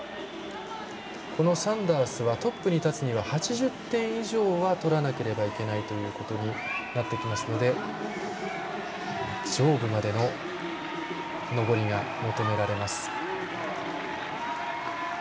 このサンダースはトップに立つには８０点以上は取らなければいけないということになってきますので上部までの登りが求められます。